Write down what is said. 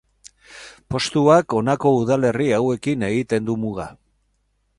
Postuak honako udalerri hauekin egiten du muga.